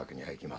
はい。